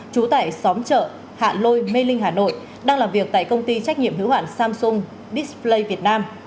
trú tại xóm chợ hạ lôi mê linh hà nội đang làm việc tại công ty trách nhiệm hữu hạn samsung display việt nam